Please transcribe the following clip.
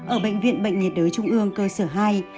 ở bệnh viện bệnh nhiệt đới trung ương cơ sở hai